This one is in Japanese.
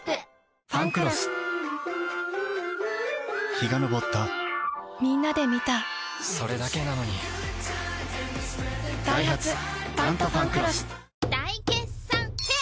陽が昇ったみんなで観たそれだけなのにダイハツ「タントファンクロス」大決算フェア